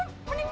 nipu dia maka